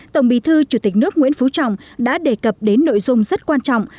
tổng bí thư chủ tịch nước nguyễn phú trọng đã đề cập đến nội dung rất quan trọng